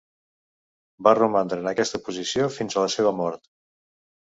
Va romandre en aquesta posició fins a la seva mort.